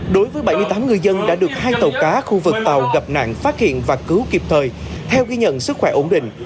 đối với bảy mươi tám người dân đã được hai tàu cá khu vực tàu gặp nạn phát hiện và cứu kịp thời theo ghi nhận sức khỏe ổn định